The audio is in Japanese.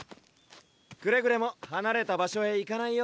くれぐれもはなれた場所へ行かないようにな。